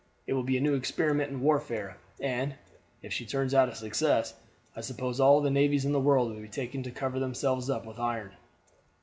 "It will be a new experiment in warfare, and, if she turns out a success, I suppose all the navies in the world will be taking to cover themselves up with iron."